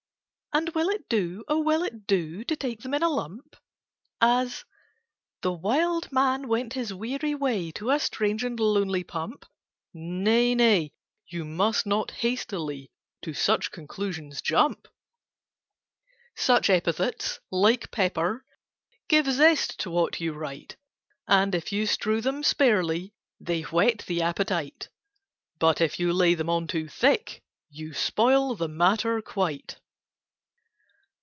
"And will it do, O will it do To take them in a lump— As 'the wild man went his weary way To a strange and lonely pump'?" "Nay, nay! You must not hastily To such conclusions jump. [Picture: The wild man went his weary way] "Such epithets, like pepper, Give zest to what you write; And, if you strew them sparely, They whet the appetite: But if you lay them on too thick, You spoil the matter quite!